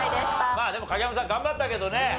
まあでも影山さん頑張ったけどね。